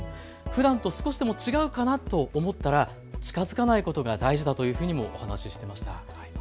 ふだんと少しでも違うかなと思ったら近づかないことが大事だというふうにも話していました。